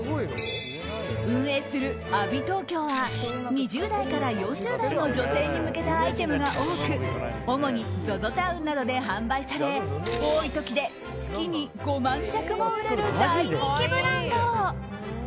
運営するアビトーキョーは２０代から４０代の女性に向けたアイテムが多く主にＺＯＺＯＴＯＷＮなどで販売され多い時で月に５万着も売れる大人気ブランド。